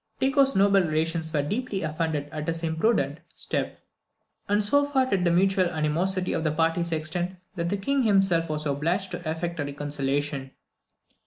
Tycho's noble relations were deeply offended at this imprudent step; and so far did the mutual animosity of the parties extend, that the King himself was obliged to effect a reconciliation.